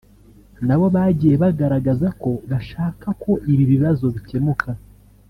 nabo bagiye bagaragaza ko bashaka ko ibi bibazo bikemuka